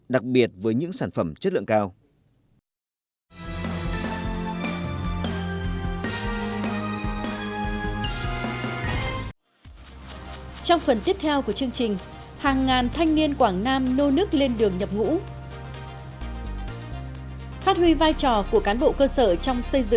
đặc biệt với những sản phẩm chất lượng cao